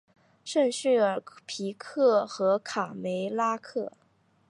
圣叙尔皮克和卡梅拉克。